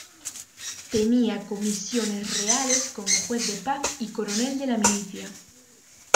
Tenía comisiones reales como juez de paz y coronel de la milicia.